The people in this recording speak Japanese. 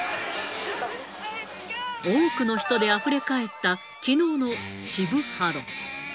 多くの人であふれかえったきのうの渋ハロ。